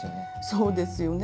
そうですよね。